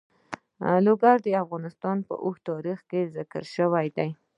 لوگر د افغانستان په اوږده تاریخ کې ذکر شوی دی.